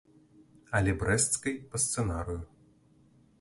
Але брэсцкай па сцэнарыю.